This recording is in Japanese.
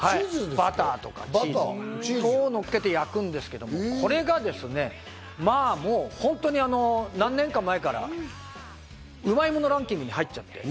バターとかチーズをのっけて焼くんですけれども、何年か前からうまいものランキングに入っちゃって。